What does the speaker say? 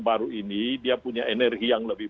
baru ini dia punya energi yang lebih